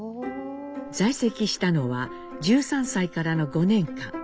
在籍したのは１３歳からの５年間。